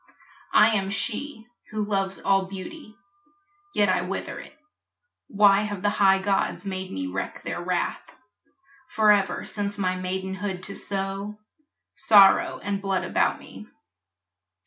I am she Who loves all beauty yet I wither it. Why have the high gods made me wreak their wrath Forever since my maidenhood to sow Sorrow and blood about me?